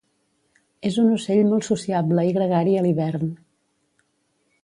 És un ocell molt sociable i gregari a l'hivern.